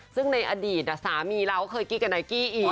ซึ่งในอดีตสามีแล้วเคยกิ๊กกับไนกี้อีก